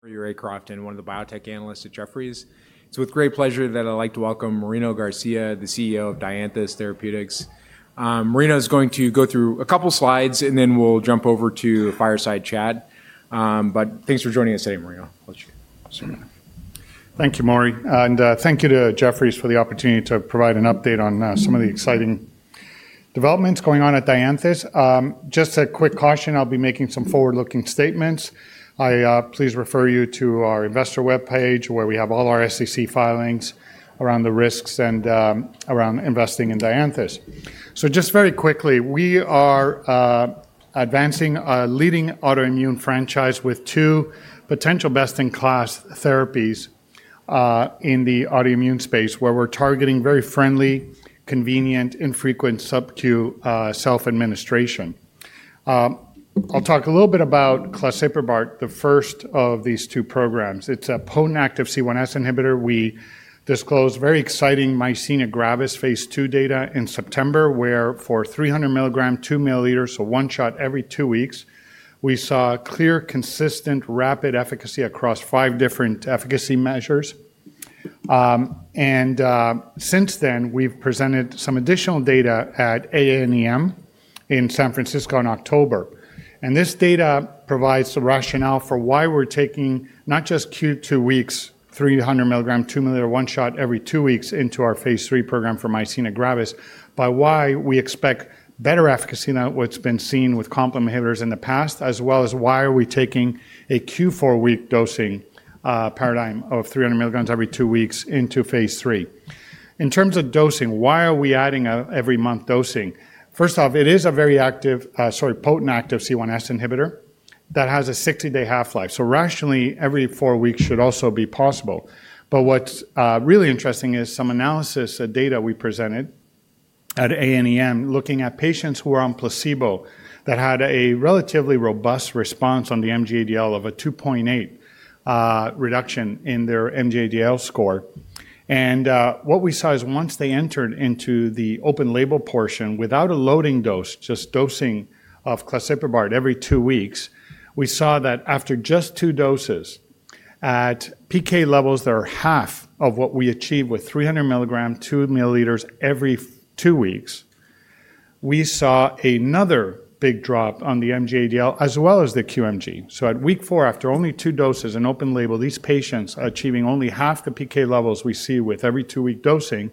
For you, Ray Crofton, one of the biotech analysts at Jefferies. It's with great pleasure that I'd like to welcome Marino Garcia, the CEO of Dianthus Therapeutics. Marino is going to go through a couple of slides, and then we'll jump over to the fireside chat. Thanks for joining us today, Marino. Thank you, Mauri. Thank you to Jefferies for the opportunity to provide an update on some of the exciting developments going on at Dianthus. Just a quick caution, I'll be making some forward-looking statements. I please refer you to our investor webpage, where we have all our SEC filings around the risks and around investing in Dianthus. Just very quickly, we are advancing a leading autoimmune franchise with two potential best-in-class therapies in the autoimmune space, where we're targeting very friendly, convenient, infrequent subcutaneous self-administration. I'll talk a little bit about Claseprubart, the first of these two programs. It's a potent active C1s inhibitor. We disclosed very exciting myasthenia gravis phase II data in September, where for 300 milligrams, 2 milliliters, so one shot every two weeks, we saw clear, consistent, rapid efficacy across five different efficacy measures. Since then, we've presented some additional data at AANEM in San Francisco in October. This data provides the rationale for why we're taking not just Q2 weeks, 300 milligrams, 2 milliliters, one shot every two weeks into our phase III program for myasthenia gravis, but why we expect better efficacy than what's been seen with complement inhibitors in the past, as well as why we are taking a Q4 week dosing paradigm of 300 milligrams every two weeks into phase III. In terms of dosing, why are we adding every month dosing? First off, it is a very active, sorry, potent active C1s inhibitor that has a 60-day half-life. Rationally, every four weeks should also be possible. What's really interesting is some analysis data we presented at AANEM looking at patients who are on placebo that had a relatively robust response on the MG-ADL of a 2.8 reduction in their MG-ADL score. What we saw is once they entered into the open label portion without a loading dose, just dosing of Claseprubart every two weeks, we saw that after just two doses at PK levels that are half of what we achieve with 300 milligrams, 2 milliliters every two weeks, we saw another big drop on the MG-ADL as well as the QMG. At week four, after only two doses in open label, these patients achieving only half the PK levels we see with every two-week dosing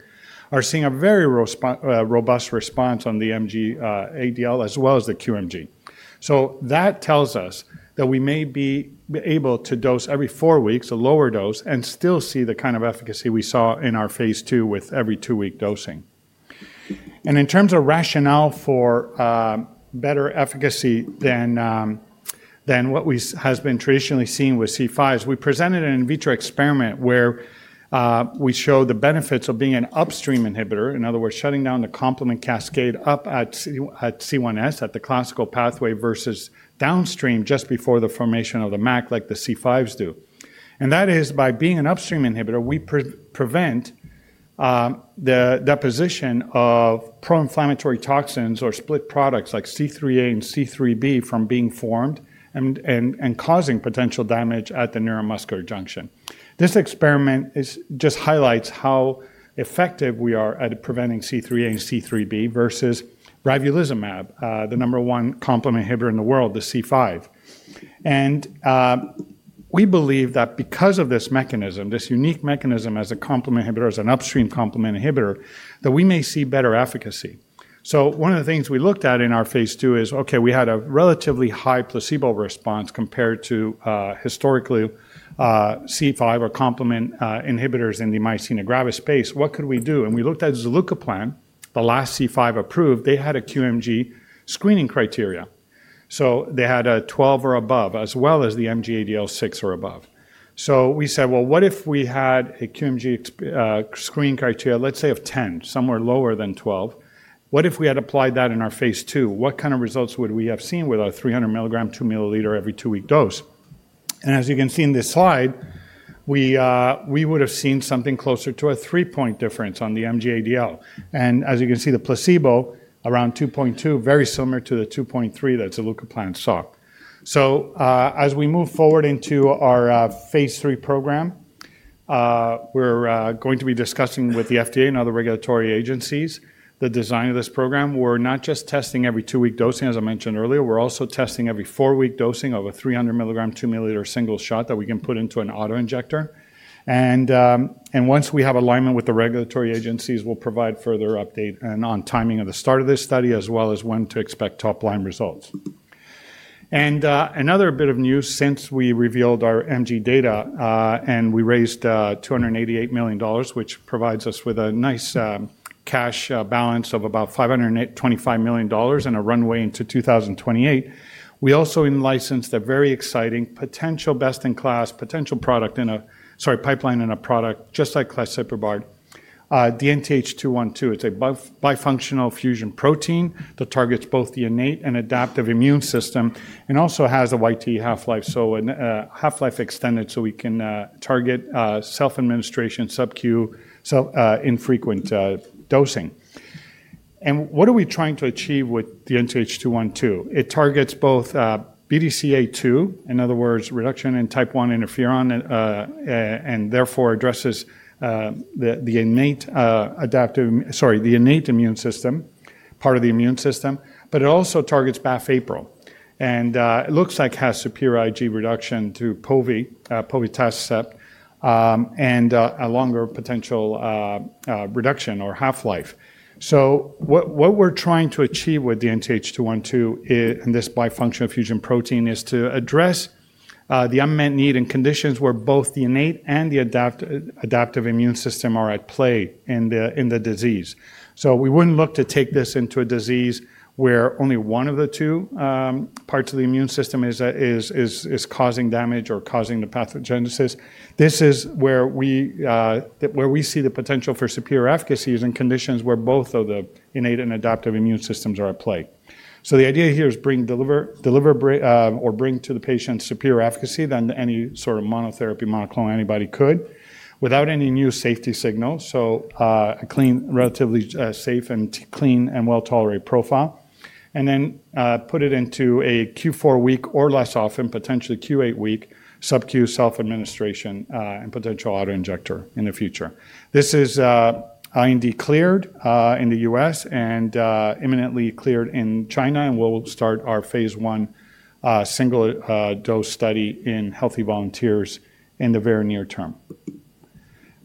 are seeing a very robust response on the MG-ADL as well as the QMG. That tells us that we may be able to dose every four weeks, a lower dose, and still see the kind of efficacy we saw in our phase II with every two-week dosing. In terms of rationale for better efficacy than what has been traditionally seen with C5s, we presented an in vitro experiment where we showed the benefits of being an upstream inhibitor, in other words, shutting down the complement cascade up at C1s at the classical pathway versus downstream just before the formation of the MAC, like the C5s do. That is, by being an upstream inhibitor, we prevent the deposition of pro-inflammatory toxins or split products like C3a and C3b from being formed and causing potential damage at the neuromuscular junction. This experiment just highlights how effective we are at preventing C3a and C3b versus ravulizumab, the number one complement inhibitor in the world, the C5. We believe that because of this mechanism, this unique mechanism as a complement inhibitor, as an upstream complement inhibitor, that we may see better efficacy. One of the things we looked at in our phase II is, okay, we had a relatively high placebo response compared to historically C5 or complement inhibitors in the myasthenia gravis space. What could we do? We looked at zilucoplan, the last C5 approved, they had a QMG screening criteria. They had a 12 or above, as well as the MG-ADL 6 or above. We said, what if we had a QMG screening criteria, let's say of 10, somewhere lower than 12? What if we had applied that in our phase II? What kind of results would we have seen with our 300 milligrams, 2 milliliters every two-week dose? As you can see in this slide, we would have seen something closer to a 3-point difference on the MG-ADL. As you can see, the placebo around 2.2, very similar to the 2.3 that Zilucoplan saw. As we move forward into our phase III program, we're going to be discussing with the FDA and other regulatory agencies the design of this program. We're not just testing every two-week dosing, as I mentioned earlier, we're also testing every four-week dosing of a 300 milligrams, 2 milliliters single shot that we can put into an auto injector. Once we have alignment with the regulatory agencies, we'll provide further update on timing of the start of this study, as well as when to expect top-line results. Another bit of news since we revealed our MG data and we raised $288 million, which provides us with a nice cash balance of about $525 million and a runway into 2028. We also licensed a very exciting potential best-in-class potential product in a, sorry, pipeline in a product just like Claseprubart, DNTH212. It is a bifunctional fusion protein that targets both the innate and adaptive immune system and also has a YT half-life, so half-life extended so we can target self-administration, subcutaneous, infrequent dosing. What are we trying to achieve with DNTH212? It targets both BDCA2, in other words, reduction in type one interferon, and therefore addresses the innate adaptive, sorry, the innate immune system, part of the immune system, but it also targets BAFF/APRIL. It looks like it has superior Ig reduction to POVI, POVI TASEP, and a longer potential reduction or half-life. What we're trying to achieve with DNTH212 in this bifunctional fusion protein is to address the unmet need in conditions where both the innate and the adaptive immune system are at play in the disease. We wouldn't look to take this into a disease where only one of the two parts of the immune system is causing damage or causing the pathogenesis. This is where we see the potential for superior efficacy in conditions where both of the innate and adaptive immune systems are at play. The idea here is bring, deliver, or bring to the patient superior efficacy than any sort of monotherapy monoclonal antibody could without any new safety signals, so a clean, relatively safe, and clean and well-tolerated profile, and then put it into a Q4 week or less often, potentially Q8 week, subcutaneous self-administration and potential auto injector in the future. This is IND cleared in the U.S. and imminently cleared in China, and we'll start our phase I single-dose study in healthy volunteers in the very near term.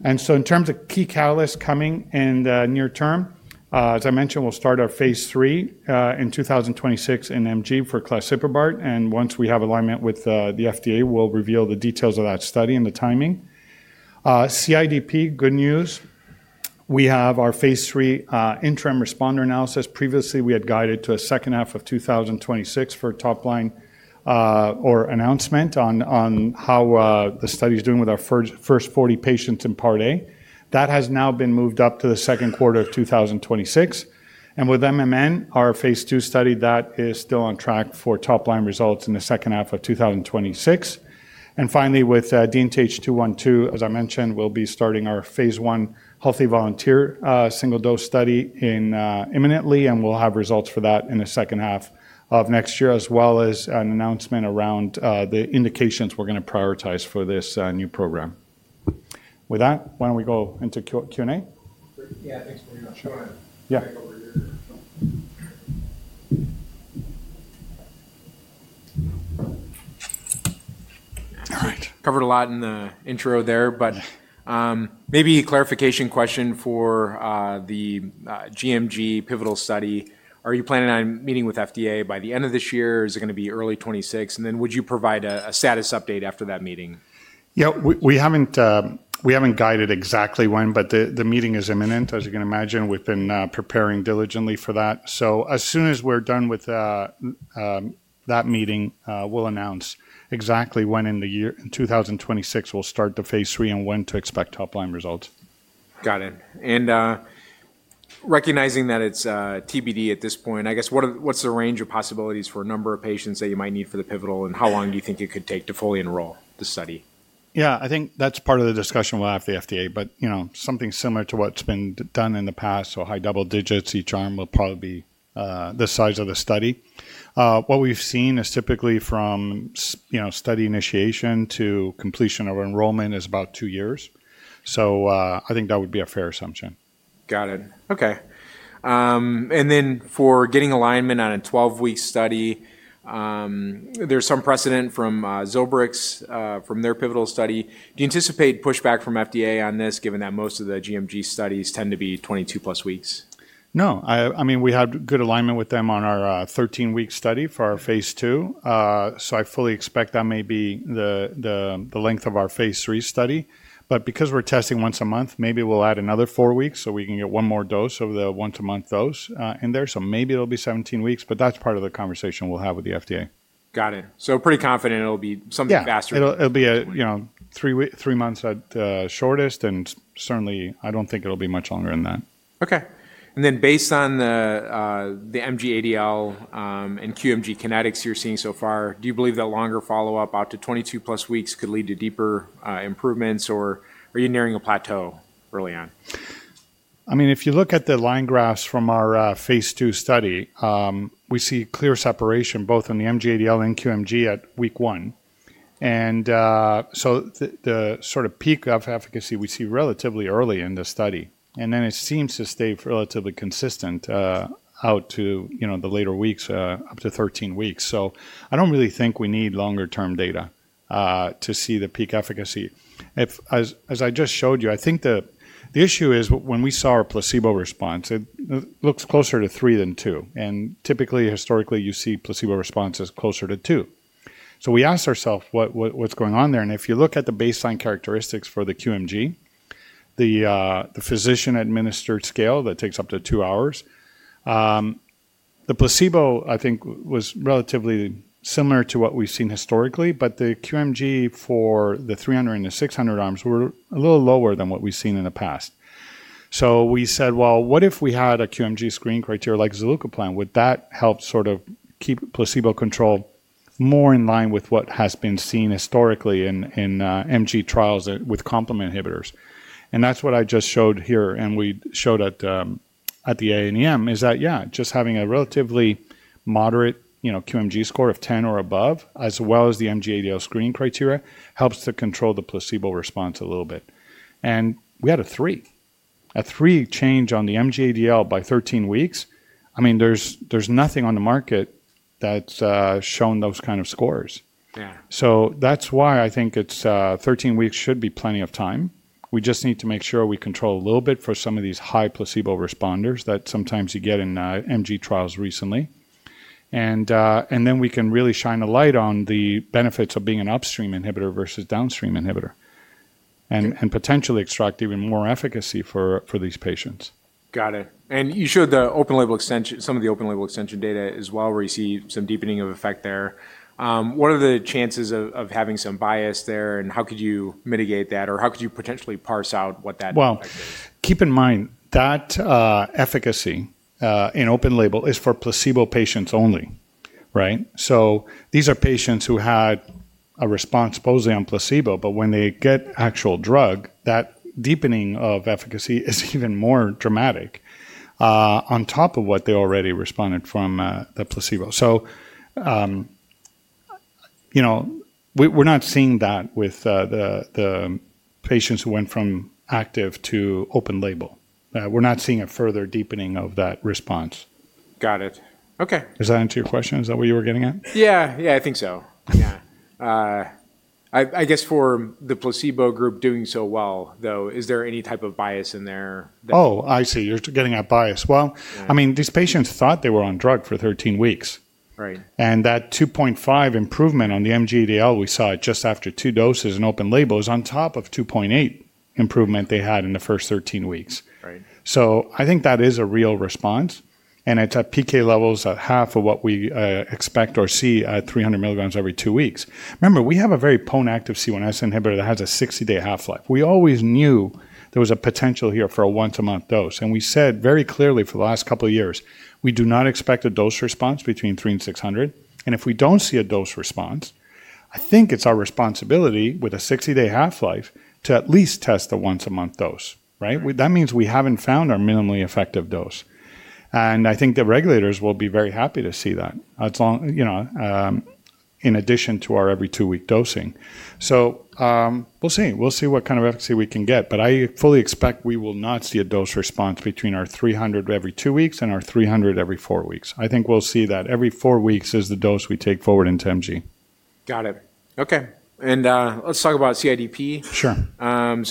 In terms of key catalysts coming in the near term, as I mentioned, we'll start our phase III in 2026 in MG for Claseprubart, and once we have alignment with the FDA, we'll reveal the details of that study and the timing. CIDP, good news. We have our phase III interim responder analysis. Previously, we had guided to a second half of 2026 for top-line or announcement on how the study is doing with our first 40 patients in part A. That has now been moved up to the second quarter of 2026. With MMN, our phase II study, that is still on track for top-line results in the second half of 2026. Finally, with DNTH212, as I mentioned, we'll be starting our phase I healthy volunteer single-dose study imminently, and we'll have results for that in the second half of next year, as well as an announcement around the indications we're going to prioritize for this new program. With that, why don't we go into Q&A? Yeah, thanks for going over here. All right. Covered a lot in the intro there, but maybe a clarification question for the GMG pivotal study. Are you planning on meeting with FDA by the end of this year? Is it going to be early 2026? And then would you provide a status update after that meeting? Yeah, we haven't guided exactly when, but the meeting is imminent, as you can imagine. We've been preparing diligently for that. As soon as we're done with that meeting, we'll announce exactly when in the year in 2026 we'll start the phase III and when to expect top-line results. Got it. Recognizing that it's TBD at this point, I guess what's the range of possibilities for a number of patients that you might need for the pivotal, and how long do you think it could take to fully enroll the study? Yeah, I think that's part of the discussion we'll have with the FDA, but something similar to what's been done in the past, so high double digits, each arm will probably be the size of the study. What we've seen is typically from study initiation to completion of enrollment is about two years. I think that would be a fair assumption. Got it. Okay. For getting alignment on a 12-week study, there's some precedent from Zilucoplan, from their pivotal study. Do you anticipate pushback from FDA on this, given that most of the GMG studies tend to be 22+ weeks? No. I mean, we have good alignment with them on our 13-week study for our phase II. I fully expect that may be the length of our phase III study. Because we're testing once a month, maybe we'll add another four weeks so we can get one more dose of the once-a-month dose in there. Maybe it'll be 17 weeks, but that's part of the conversation we'll have with the FDA. Got it. So pretty confident it'll be something faster. Yeah, it'll be three months at shortest, and certainly, I don't think it'll be much longer than that. Okay. And then based on the MG-ADL and QMG kinetics you're seeing so far, do you believe that longer follow-up out to 22+ weeks could lead to deeper improvements, or are you nearing a plateau early on? I mean, if you look at the line graphs from our phase II study, we see clear separation both in the MG-ADL and QMG at week one. The sort of peak of efficacy we see relatively early in the study. It seems to stay relatively consistent out to the later weeks, up to 13 weeks. I do not really think we need longer-term data to see the peak efficacy. As I just showed you, I think the issue is when we saw our placebo response, it looks closer to three than two. Typically, historically, you see placebo responses closer to two. We asked ourselves what is going on there. If you look at the baseline characteristics for the QMG, the physician-administered scale that takes up to two hours, the placebo, I think, was relatively similar to what we've seen historically, but the QMG for the 300 and the 600 arms were a little lower than what we've seen in the past. We said, what if we had a QMG screening criteria like Zilucoplan? Would that help sort of keep placebo control more in line with what has been seen historically in MG trials with complement inhibitors? That is what I just showed here, and we showed at the AANEM, is that, yeah, just having a relatively moderate QMG score of 10 or above, as well as the MG-ADL screening criteria, helps to control the placebo response a little bit. We had a three. A three change on the MG-ADL by 13 weeks. I mean, there's nothing on the market that's shown those kinds of scores. That's why I think 13 weeks should be plenty of time. We just need to make sure we control a little bit for some of these high placebo responders that sometimes you get in MG trials recently. Then we can really shine a light on the benefits of being an upstream inhibitor versus downstream inhibitor and potentially extract even more efficacy for these patients. Got it. You showed the open label extension, some of the open label extension data as well, where you see some deepening of effect there. What are the chances of having some bias there, and how could you mitigate that, or how could you potentially parse out what that impact is? Keep in mind that efficacy in open label is for placebo patients only, right? These are patients who had a response supposedly on placebo, but when they get actual drug, that deepening of efficacy is even more dramatic on top of what they already responded from the placebo. We're not seeing that with the patients who went from active to open label. We're not seeing a further deepening of that response. Got it. Okay. Does that answer your question? Is that what you were getting at? Yeah, yeah, I think so. Yeah. I guess for the placebo group doing so well, though, is there any type of bias in there? Oh, I see. You're getting at bias. I mean, these patients thought they were on drug for 13 weeks. That 2.5 improvement on the MG-ADL we saw just after two doses in open label is on top of the 2.8 improvement they had in the first 13 weeks. I think that is a real response. It's at PK levels at half of what we expect or see at 300 milligrams every two weeks. Remember, we have a very potent active C1s inhibitor that has a 60-day half-life. We always knew there was a potential here for a once-a-month dose. We said very clearly for the last couple of years, we do not expect a dose response between 300 and 600. If we don't see a dose response, I think it's our responsibility with a 60-day half-life to at least test the once-a-month dose, right? That means we haven't found our minimally effective dose. I think the regulators will be very happy to see that in addition to our every two-week dosing. We'll see. We'll see what kind of efficacy we can get. I fully expect we will not see a dose response between our 300 every two weeks and our 300 every four weeks. I think we'll see that every four weeks is the dose we take forward into MG. Got it. Okay. Let's talk about CIDP. Sure.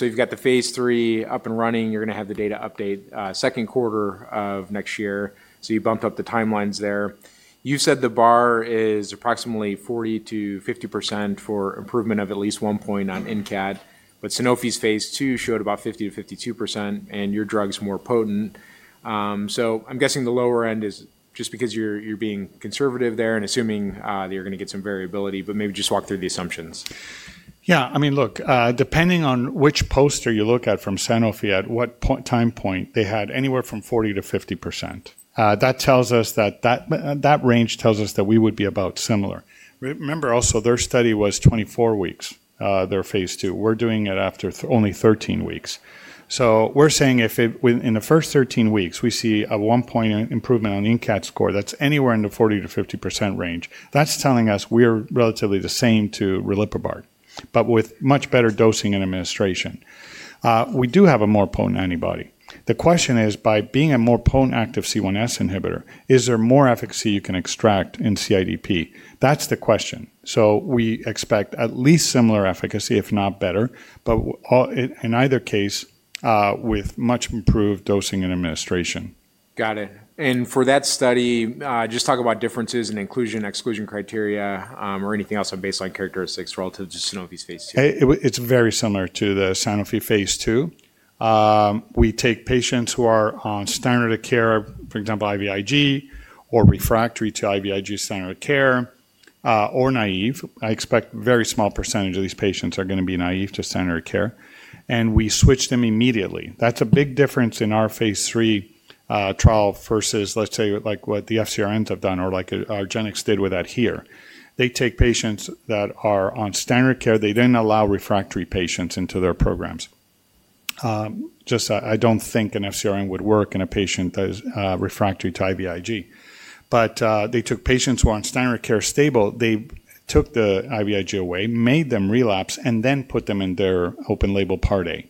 You've got the phase III up and running. You're going to have the data update second quarter of next year. You bumped up the timelines there. You said the bar is approximately 40%-50% for improvement of at least one point on NCAD, but Sanofi's phase II showed about 50%-52%, and your drug's more potent. I'm guessing the lower end is just because you're being conservative there and assuming that you're going to get some variability, but maybe just walk through the assumptions. Yeah. I mean, look, depending on which poster you look at from Sanofi at what time point, they had anywhere from 40%-50%. That tells us that that range tells us that we would be about similar. Remember also, their study was 24 weeks, their phase II. We're doing it after only 13 weeks. So we're saying if in the first 13 weeks, we see a one-point improvement on NCAD score that's anywhere in the 40%-50% range, that's telling us we're relatively the same to Riliprubart, but with much better dosing and administration. We do have a more potent antibody. The question is, by being a more potent active C1s inhibitor, is there more efficacy you can extract in CIDP? That's the question. We expect at least similar efficacy, if not better, but in either case with much improved dosing and administration. Got it. For that study, just talk about differences in inclusion and exclusion criteria or anything else on baseline characteristics relative to Sanofi's phase II. It's very similar to the Sanofi phase II. We take patients who are on standard of care, for example, IVIG or refractory to IVIG standard of care or naive. I expect a very small percentage of these patients are going to be naive to standard of care. We switch them immediately. That's a big difference in our phase III trial versus, let's say, like what the FcRNs have done or like Argenx did with that here. They take patients that are on standard of care. They didn't allow refractory patients into their programs. I just don't think an FcRN would work in a patient that is refractory to IVIG. They took patients who are on standard of care stable. They took the IVIG away, made them relapse, and then put them in their open label part A.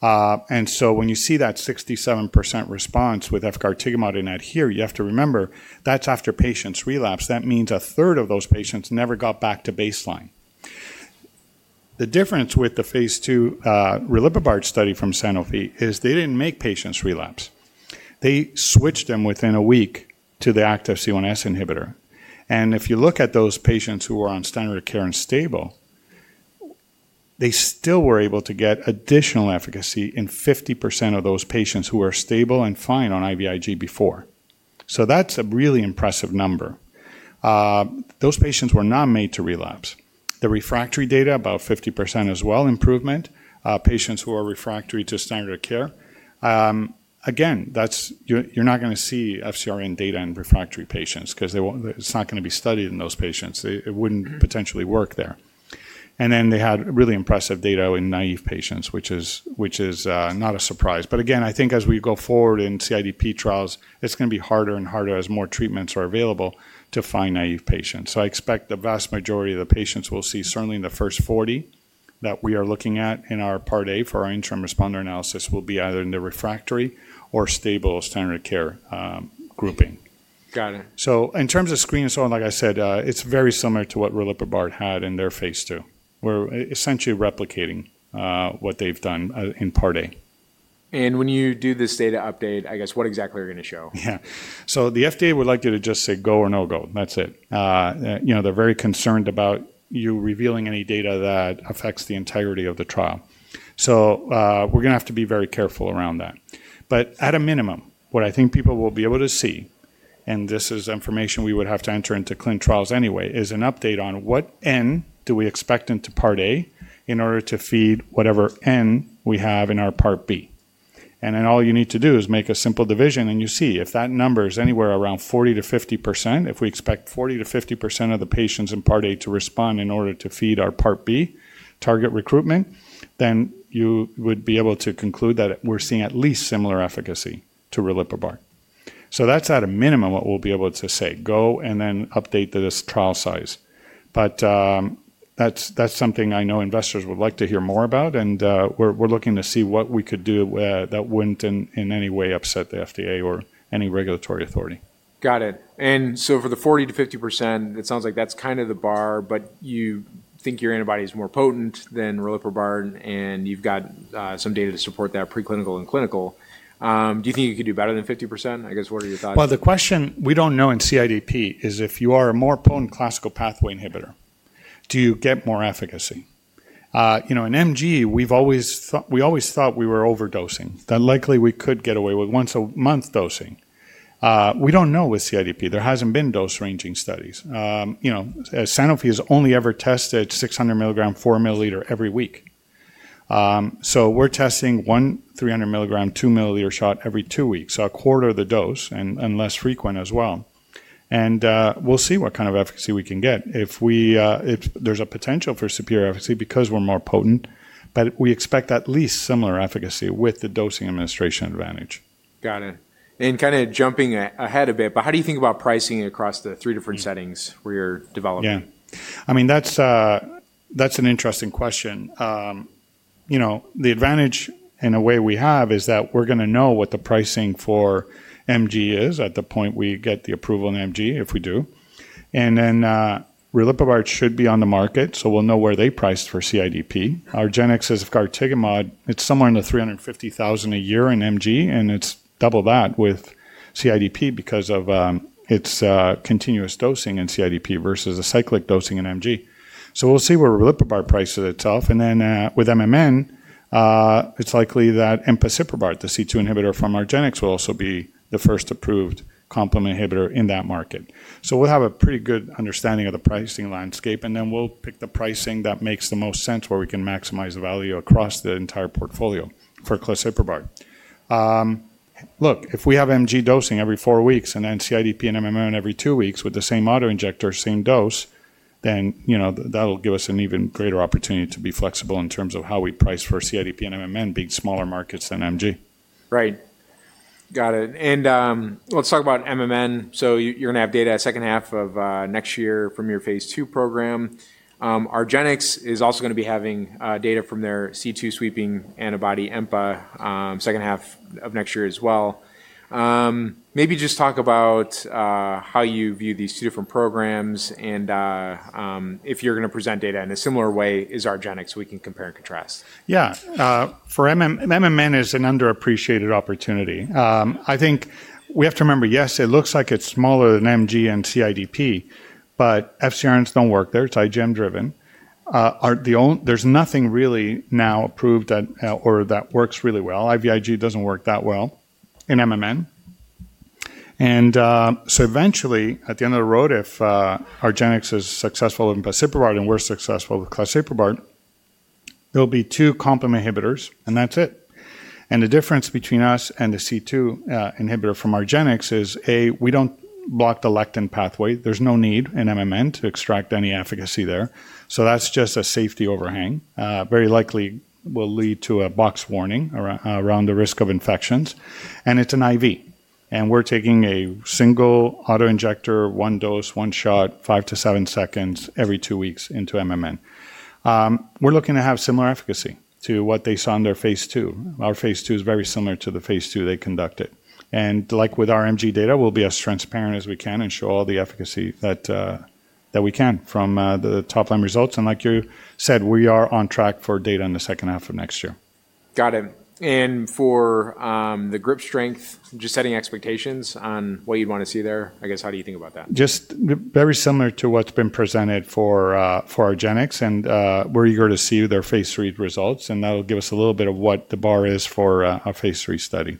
When you see that 67% response with efgartigimod in ADHERE, you have to remember that's after patients relapse. That means a third of those patients never got back to baseline. The difference with the phase II riliprubart study from Sanofi is they didn't make patients relapse. They switched them within a week to the active C1s inhibitor. If you look at those patients who were on standard of care and stable, they still were able to get additional efficacy in 50% of those patients who were stable and fine on IVIG before. That's a really impressive number. Those patients were not made to relapse. The refractory data, about 50% as well, improvement, patients who are refractory to standard of care. Again, you're not going to see FcRn data in refractory patients because it's not going to be studied in those patients. It wouldn't potentially work there. They had really impressive data in naive patients, which is not a surprise. Again, I think as we go forward in CIDP trials, it's going to be harder and harder as more treatments are available to find naive patients. I expect the vast majority of the patients we'll see, certainly in the first 40 that we are looking at in our part A for our interim responder analysis, will be either in the refractory or stable standard of care grouping. Got it. In terms of screening and so on, like I said, it's very similar to what Riliprubart had in their phase II. We're essentially replicating what they've done in part A. When you do this data update, I guess what exactly are you going to show? Yeah. The FDA would like you to just say go or no go. That's it. They're very concerned about you revealing any data that affects the integrity of the trial. We're going to have to be very careful around that. At a minimum, what I think people will be able to see, and this is information we would have to enter into clinical trials anyway, is an update on what N do we expect into part A in order to feed whatever N we have in our part B. All you need to do is make a simple division, and you see if that number is anywhere around 40%-50%. If we expect 40%-50% of the patients in part A to respond in order to feed our part B target recruitment, then you would be able to conclude that we're seeing at least similar efficacy to Riliprubart. That is at a minimum what we'll be able to say. Go and then update this trial size. That is something I know investors would like to hear more about. We're looking to see what we could do that would not in any way upset the FDA or any regulatory authority. Got it. For the 40%-50%, it sounds like that's kind of the bar, but you think your antibody is more potent than Riliprubart, and you've got some data to support that preclinical and clinical. Do you think you could do better than 50%? I guess what are your thoughts? The question we do not know in CIDP is if you are a more potent classical pathway inhibitor, do you get more efficacy? In MG, we always thought we were overdosing. That likely we could get away with once-a-month dosing. We do not know with CIDP. There have not been dose-ranging studies. Sanofi has only ever tested 600 milligram, 4 milliliter every week. We are testing one 300 milligram, 2 milliliter shot every two weeks, a quarter of the dose and less frequent as well. We will see what kind of efficacy we can get if there is a potential for superior efficacy because we are more potent, but we expect at least similar efficacy with the dosing administration advantage. Got it. Kind of jumping ahead a bit, but how do you think about pricing across the three different settings where you're developing? Yeah. I mean, that's an interesting question. The advantage in a way we have is that we're going to know what the pricing for MG is at the point we get the approval in MG, if we do. Riliprubart should be on the market, so we'll know where they priced for CIDP. Argenx's efgartigimod is somewhere in the $350,000 a year in MG, and it's double that with CIDP because of its continuous dosing in CIDP versus the cyclic dosing in MG. We'll see where Riliprubart prices itself. With MMN, it's likely that empasiprubart, the C2 inhibitor from Argenx, will also be the first approved complement inhibitor in that market. We'll have a pretty good understanding of the pricing landscape, and then we'll pick the pricing that makes the most sense where we can maximize the value across the entire portfolio for Claseprubart. Look, if we have MG dosing every four weeks and then CIDP and MMN every two weeks with the same auto injector, same dose, then that'll give us an even greater opportunity to be flexible in terms of how we price for CIDP and MMN being smaller markets than MG. Right. Got it. Let's talk about MMN. You're going to have data second half of next year from your phase II program. Argenx is also going to be having data from their C2 sweeping antibody EMPA second half of next year as well. Maybe just talk about how you view these two different programs and if you're going to present data in a similar way as Argenx so we can compare and contrast. Yeah. For MMN, it's an underappreciated opportunity. I think we have to remember, yes, it looks like it's smaller than MG and CIDP, but FCRNs don't work there. It's IgM-driven. There's nothing really now approved or that works really well. IVIG doesn't work that well in MMN. Eventually, at the end of the road, if Argenx is successful with empasiprubart and we're successful with Claseprubart, there'll be two complement inhibitors, and that's it. The difference between us and the C2 inhibitor from Argenx is, A, we don't block the lectin pathway. There's no need in MMN to extract any efficacy there. That's just a safety overhang. Very likely will lead to a box warning around the risk of infections. It's an IV. We're taking a single auto injector, one dose, one shot, five to seven seconds every two weeks into MMN. We're looking to have similar efficacy to what they saw in their phase II. Our phase II is very similar to the phase II they conducted. Like with our MG data, we'll be as transparent as we can and show all the efficacy that we can from the top line results. Like you said, we are on track for data in the second half of next year. Got it. For the grip strength, just setting expectations on what you'd want to see there, I guess how do you think about that? Just very similar to what's been presented for Argenx and where you go to see their phase III results. That'll give us a little bit of what the bar is for a phase III study.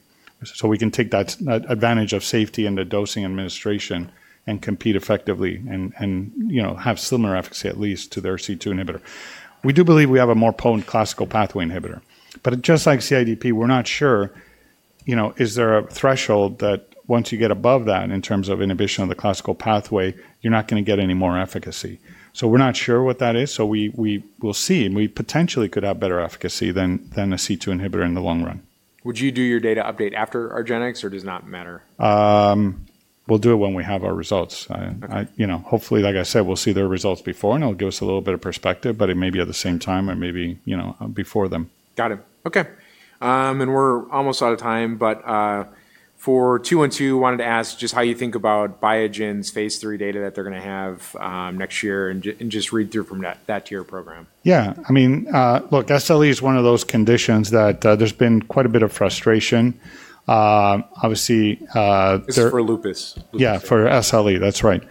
We can take that advantage of safety and the dosing administration and compete effectively and have similar efficacy at least to their C2 inhibitor. We do believe we have a more potent classical pathway inhibitor. Just like CIDP, we're not sure is there a threshold that once you get above that in terms of inhibition of the classical pathway, you're not going to get any more efficacy. We're not sure what that is. We will see. We potentially could have better efficacy than a C2 inhibitor in the long run. Would you do your data update after Argenx, or does it not matter? We'll do it when we have our results. Hopefully, like I said, we'll see their results before, and it'll give us a little bit of perspective, but it may be at the same time or maybe before them. Got it. Okay. We're almost out of time, but for two and two, wanted to ask just how you think about Biogen's phase III data that they're going to have next year and just read through from that to your program. Yeah. I mean, look, SLE is one of those conditions that there's been quite a bit of frustration, obviously. This is for lupus. Yeah, for SLE. That's right.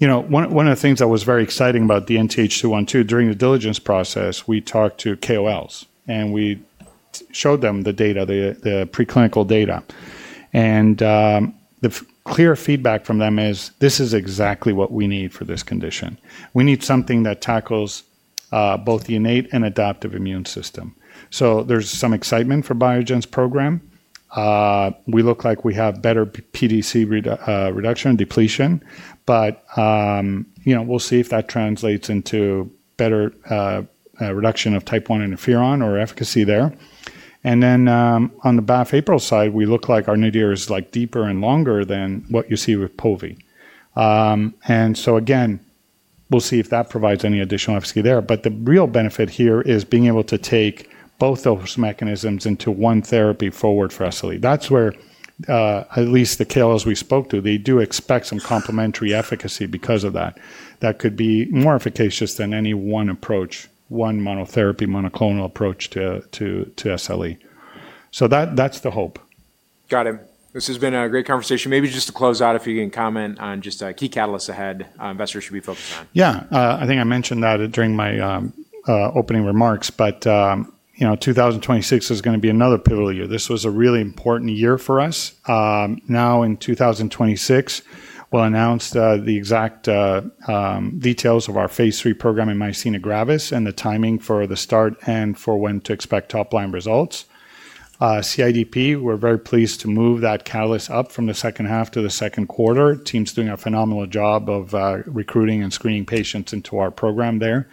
One of the things that was very exciting about the DNTH212, during the diligence process, we talked to KOLs and we showed them the data, the preclinical data. The clear feedback from them is, this is exactly what we need for this condition. We need something that tackles both the innate and adaptive immune system. There is some excitement for Biogen's program. We look like we have better PDC reduction and depletion, but we'll see if that translates into better reduction of type I interferon or efficacy there. On the BAFF/APRIL side, we look like our new year is deeper and longer than what you see with POVI. Again, we'll see if that provides any additional efficacy there. The real benefit here is being able to take both those mechanisms into one therapy forward for SLE. That's where at least the KOLs we spoke to, they do expect some complementary efficacy because of that. That could be more efficacious than any one approach, one monotherapy, monoclonal approach to SLE. That's the hope. Got it. This has been a great conversation. Maybe just to close out, if you can comment on just key catalysts ahead investors should be focused on. Yeah. I think I mentioned that during my opening remarks, but 2026 is going to be another pivotal year. This was a really important year for us. Now in 2026, we'll announce the exact details of our phase III program in myasthenia gravis and the timing for the start and for when to expect top line results. CIDP, we're very pleased to move that catalyst up from the second half to the second quarter. Team's doing a phenomenal job of recruiting and screening patients into our program there.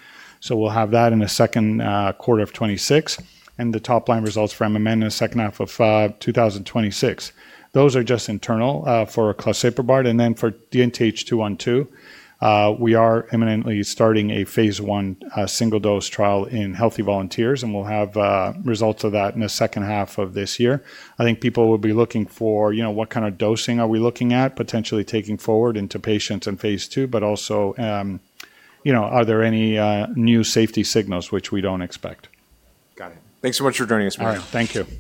We'll have that in the second quarter of 2026 and the top line results for MMN in the second half of 2026. Those are just internal for Claseprubart. For the DNTH212, we are imminently starting a phase I single dose trial in healthy volunteers, and we'll have results of that in the second half of this year. I think people will be looking for what kind of dosing are we looking at potentially taking forward into patients in phase II, but also are there any new safety signals which we don't expect. Got it. Thanks so much for joining us, Marino. All right. Thank you.